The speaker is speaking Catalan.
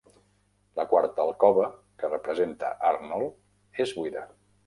La quarta alcova, que representa Arnold, és buida.